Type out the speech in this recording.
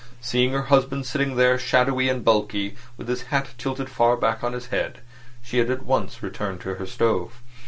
Seeing her husband sitting there shadowy and bulky, with his hat tilted far back on his head, she had at once returned to her stove.